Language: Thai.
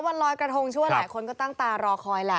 วันลอยกระทงชื่อว่าหลายคนก็ตั้งตารอคอยแหละ